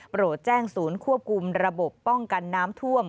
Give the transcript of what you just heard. โหลดแจ้งศูนย์ควบคุมระบบป้องกันน้ำท่วม